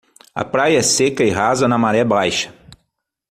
A praia é seca e rasa na maré baixa.